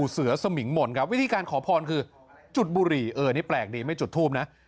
เสือสมิงหม่นครับวิธีการขอพรคือจุดบุหรี่เออนี่แปลกดีไม่จุดทูบนะ